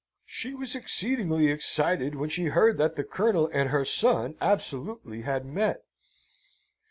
She was exceedingly excited when she heard that the Colonel and her son absolutely had met.